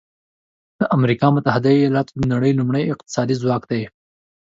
د امریکا متحده ایالات د نړۍ لومړی اقتصادي ځواک دی.